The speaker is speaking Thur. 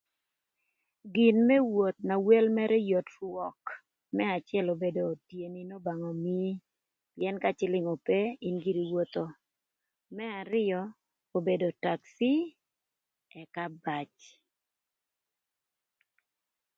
Gin më woth na wel mërë yot rwök më acël obedo tyeni n'Obanga omii pïën ka cïlïng ope in giri iwotho. Më arïö obedo takci ëka bac